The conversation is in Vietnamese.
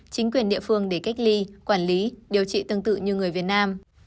chính quyền địa phương để cách ly quản lý điều trị tương tự như người việt nam